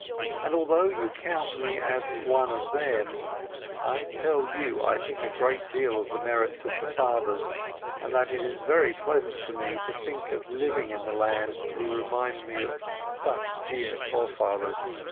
And although you count me as 'one of them,' I tell you I think a great deal of 'the merits of the fathers,' and that it is very pleasant to me to think of living in the land that will remind me of such dear forefathers.